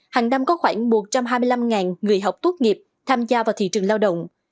hàng năm có khoảng một trăm hai mươi năm người học tuốt nghiệp tham gia vào thị trường lao động